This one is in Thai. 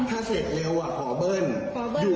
อ่าถ้าเสร็จเร็วอะแล้วก็เบิ้ล